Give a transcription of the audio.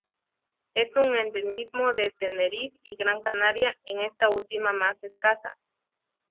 Es un endemismo de Tenerife y Gran Canaria, en esta última más escasa.